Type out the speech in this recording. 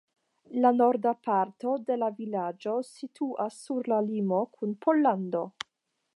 La norda parto de la vilaĝo situas sur la limo kun Pollando.